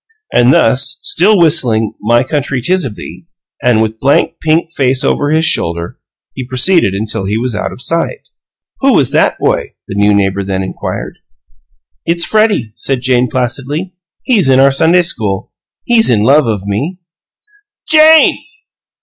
And thus, still whistling "My country, 'tis of thee," and with blank pink face over his shoulder, he proceeded until he was out of sight. "Who was that boy?" the new neighbor then inquired. "It's Freddie," said Jane, placidly. "He's in our Sunday school. He's in love of me." "JANE!"